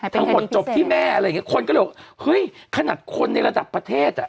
ทั้งหมดจบที่แม่อะไรอย่างเงี้คนก็เลยบอกเฮ้ยขนาดคนในระดับประเทศอ่ะ